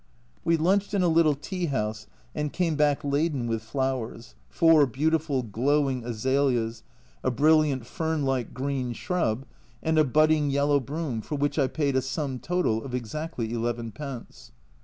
We lunched in a little tea house and came back laden with flowers four beautiful glowing azaleas, a brilliant fern like green shrub, and a budding yellow broom, for which I paid a sum total of exactly eleven pence.